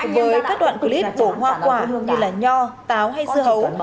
với các đoạn clip tổ hoa quả như là nho táo hay dưa hầu